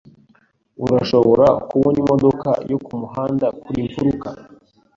Urashobora kubona imodoka yo kumuhanda kuriyi mfuruka.